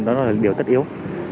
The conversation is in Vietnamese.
đó là điều tất yếu